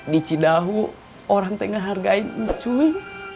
dicidahu orang ngehargain ncuy